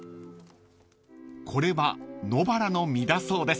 ［これは野バラの実だそうです］